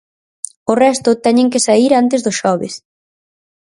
O resto teñen que saír antes do xoves.